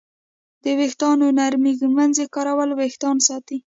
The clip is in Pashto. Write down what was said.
د ویښتانو نرمې ږمنځې کارول وېښتان ساتي.